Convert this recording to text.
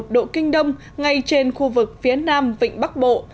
một trăm linh bảy một một trăm linh tám một độ kinh đông ngay trên khu vực phía nam vịnh bắc bộ